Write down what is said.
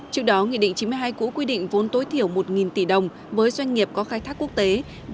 trước đó nghị định chín mươi hai cũ quy định vốn tối thiểu một tỷ đồng với doanh nghiệp có khai thác quốc tế